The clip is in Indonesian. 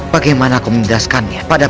bagaimana kau menjelaskannya